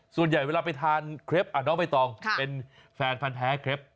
ส่วนใหญ่เวลาไปทานเคล็ปน้องใบตองเป็นแฟนพันธ์แท้เคล็ป